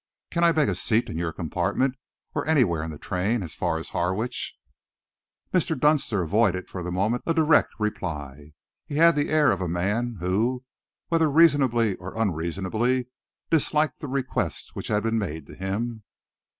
Can I beg a seat in your compartment, or anywhere in the train, as far as Harwich?" Mr. Dunster avoided, for the moment, a direct reply. He had the air of a man who, whether reasonably or unreasonably, disliked the request which had been made to him.